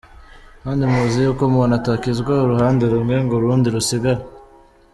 Kandi muzi yuko umuntu atakizwa uruhande rumwe ngo urundi rusigare.